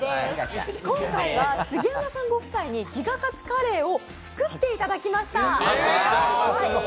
今回は杉山さんご夫妻にギガかつカレーを作っていただきました。